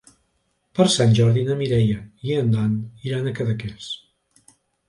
Per Sant Jordi na Mireia i en Dan iran a Cadaqués.